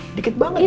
sedikit banget ya